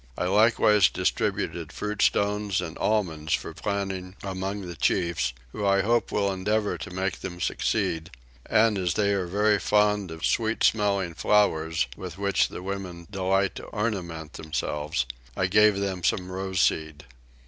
I likewise distributed fruit stones and almonds for planting among the chiefs, who I hope will endeavour to make them succeed and, as they are very fond of sweet smelling flowers with which the women delight to ornament themselves, I gave them some rose seed.